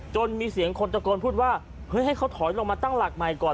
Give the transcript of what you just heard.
มีเสียงคนตะโกนพูดว่าเฮ้ยให้เขาถอยลงมาตั้งหลักใหม่ก่อน